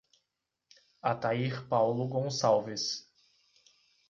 Atair Paulo Goncalves